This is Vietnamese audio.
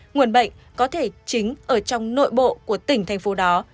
nguồn bệnh có thể chính ở trong nội bộ của tỉnh thành phố đó